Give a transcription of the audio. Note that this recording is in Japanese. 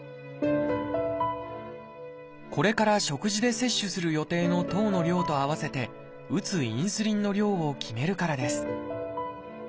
これから食事で摂取する予定の糖の量と合わせて打つインスリンの量を決めるからです。